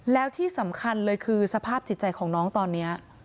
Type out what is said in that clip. แล้วที่สำคัญเลยคือสภาพจิตใจของน้องตอนนี้